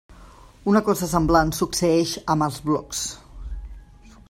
Una cosa semblant succeïx amb els blocs.